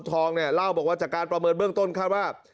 ทองเนี่ยเล่าบอกว่าจากการประเมินเบื้องต้นคาดว่า